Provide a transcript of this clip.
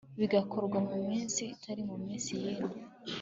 bigakorwa mu minsi itari munsi y'ine